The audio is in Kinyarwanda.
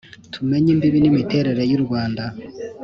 tumenye imbibi n'imiterere y'u rwanda